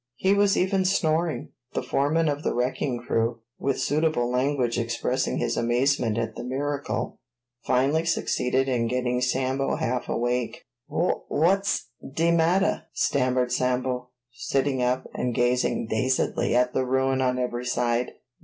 He was even snoring. The foreman of the wrecking crew, with suitable language expressing his amazement at the miracle, finally succeeded in getting Sambo half awake. "Wh whut's de mattah?" stammered Sambo, sitting up, and gazing dazedly at the ruin on every side.